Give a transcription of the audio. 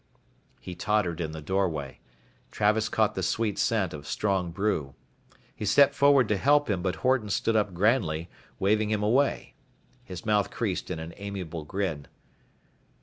He tottered in the doorway. Travis caught the sweet scent of strong brew. He stepped forward to help him but Horton stood up grandly, waving him away. His mouth creased in an amiable grin.